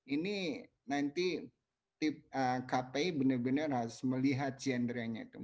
ini nanti kpi benar benar harus melihat gendernya tuh